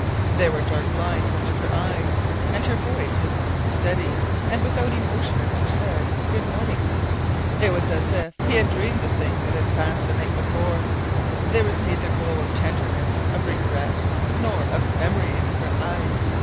There were dark lines under her eyes, and her voice was steady and without emotion as she said "Good morning." It was as if he had dreamed the thing that had passed the night before. There was neither glow of tenderness, of regret, nor of memory in her eyes.